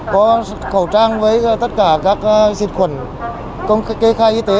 có khẩu trang với tất cả các dịch khuẩn kê khai y tế